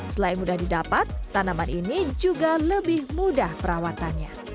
selain mudah didapat tanaman ini juga lebih mudah perawatannya